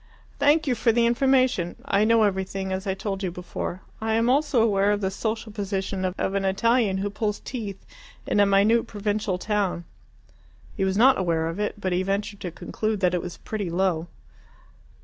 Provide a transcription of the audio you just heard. "Thank you for the information. I know everything, as I told you before. I am also aware of the social position of an Italian who pulls teeth in a minute provincial town." He was not aware of it, but he ventured to conclude that it was pretty, low.